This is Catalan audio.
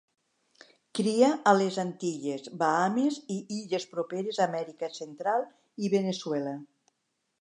Cria a les Antilles, Bahames i illes properes a Amèrica Central i Veneçuela.